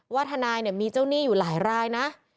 ทนายเนี่ยมีเจ้าหนี้อยู่หลายรายนะ